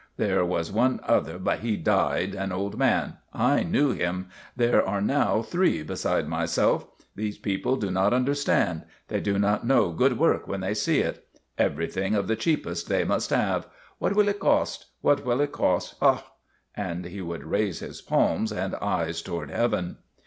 There was one other, but he died, an old man. I knew him. There are now three beside myself. These people do not un derstand. They do not know good work when they see it. Everything of the cheapest they must have. What will it cost? What will it cost? Ha!" And he would raise his palms and eyes toward Heaven.